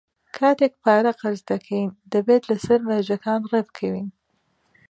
کاتێک پارە قەرز دەکەین، دەبێت لەسەر مەرجەکان ڕێکبکەوین.